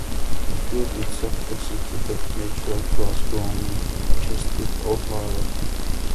The field itself consisted of natural grass grown in Crestline, Ohio.